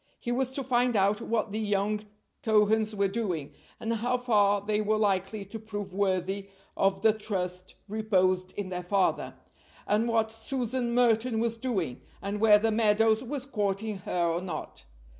He was to find out what the young Cohens were doing, and how far they were likely to prove worthy of the trust reposed in their father; and what Susan Merton was doing, and whether Meadows was courting her or not.